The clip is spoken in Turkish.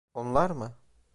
Onlar mı?